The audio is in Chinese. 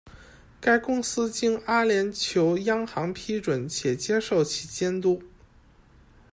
该公司经阿联酋央行批准且接受其监管。